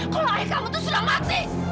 kalau naik kamu tuh sudah mati